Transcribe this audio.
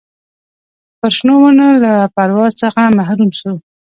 پر شنو ونو له پرواز څخه محروم سو